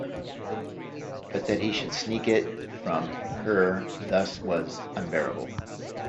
But that he should sneak it from her thus was unbearable.